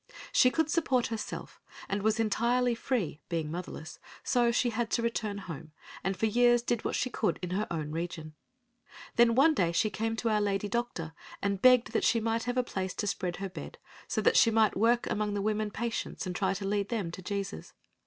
She could support herself and was entirely free, being motherless, so she had to return home, and for years did what she could in her own region. Then one day she came to our lady doctor and begged that she might have a place to spread her bed so that she might work among the women patients and try to lead them to Jesus.